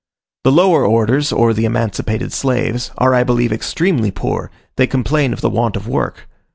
The lower orders, or the emancipated slaves, are I believe extremely poor: they complain of the want of work.